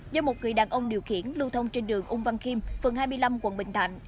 do một người đàn ông điều khiển lưu thông trên đường ung văn khiêm phường hai mươi năm quận bình thạnh